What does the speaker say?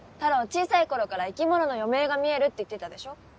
小さい頃から生き物の余命が見えるって言ってたでしょ？